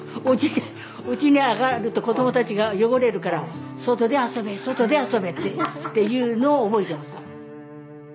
おじいちゃんうちに上がると子どもたちが汚れるから外で遊べ外で遊べってっていうのを覚えてます。